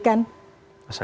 dan juga menjadikan